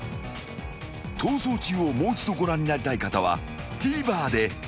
［『逃走中』をもう一度ご覧になりたい方はＴＶｅｒで］